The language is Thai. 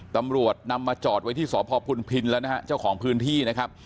ตำรวจนำมาจอดไว้ที่สพพุนพินแล้วนะฮะเจ้าของพื้นที่นะครับ